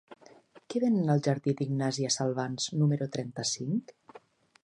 Què venen al jardí d'Ignàsia Salvans número trenta-cinc?